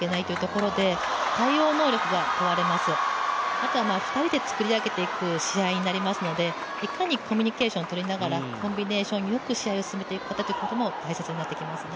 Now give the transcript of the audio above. あとは２人で作り上げていく試合になりますのでいかにコミュニケーションをとりながら、コンビネーションよく試合を進めていくことも大切になってきますね。